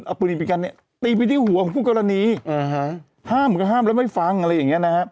เอาปืนบีบีกันเนี้ยตีไปที่หัวกรณีอืมฮะห้ามก็ห้ามแล้วไม่ฟังอะไรอย่างเงี้ยนะครับ